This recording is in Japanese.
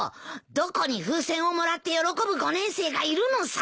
どこに風船をもらって喜ぶ５年生がいるのさ！